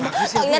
bagus ya dia